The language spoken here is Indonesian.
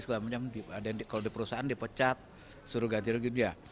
kalau di perusahaan dipecat suruh ganti gitu ya